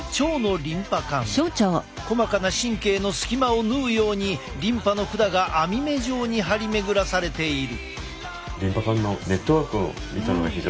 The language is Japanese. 細かな神経の隙間を縫うようにリンパの管が網目状に張り巡らされている。